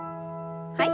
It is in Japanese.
はい。